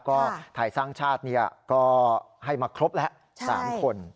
ก็ไทยสร้างชาติก็ให้มาครบแล้ว๓คน